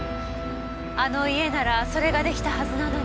あの家ならそれが出来たはずなのに。